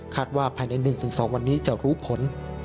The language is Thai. ว่าภายใน๑๒วันนี้จะรู้ผล